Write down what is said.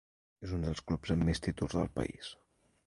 És un dels clubs amb més títols del país.